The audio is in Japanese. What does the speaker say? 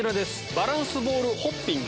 バランスボールホッピング。